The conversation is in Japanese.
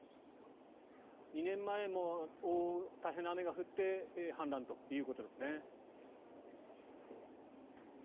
２年前も大変な雨が降って氾濫ということですね。